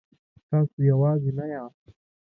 تاسو یوازې نه یاست.